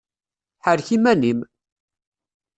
Ḥerrek iman-im!